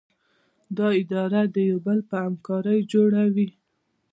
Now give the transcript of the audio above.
دا اداره د یو بل په همکارۍ جوړه وي.